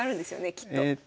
きっと。